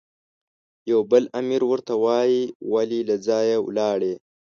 یو بل امیر ورته وایي، ولې له ځایه ولاړې؟